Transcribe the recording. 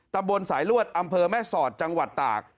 ตำบลสายลวดอำเภอแม่สอดจังหวัดตาก